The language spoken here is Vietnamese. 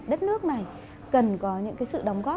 đất nước này cần có những sự đóng góp